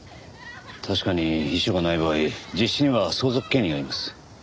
確かに遺書がない場合実子には相続権利があります。